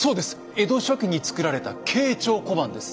江戸初期につくられた慶長小判です。